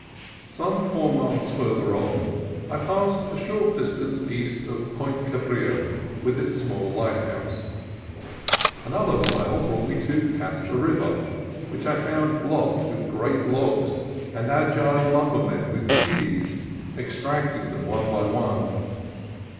Some four miles farther on, I passed a short dis tance east of Point Cabrillo, with its small light house. Another mile brought me to Casper River, which I found blocked with great logs, and agile lumbermen with "peavies" extricating them one by one.